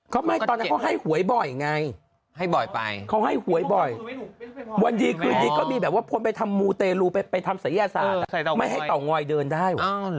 ไม่ตอนนั้นเขาให้หวยบ่อยไงให้บ่อยไปเขาให้หวยบ่อยวันดีคืนดีก็มีแบบว่าคนไปทำมูเตลูไปทำศัยศาสตร์ไม่ให้เตางอยเดินได้